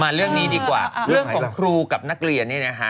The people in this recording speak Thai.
เรื่องนี้ดีกว่าเรื่องของครูกับนักเรียนนี่นะคะ